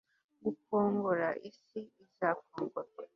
GUKONGORA isi izakongorwa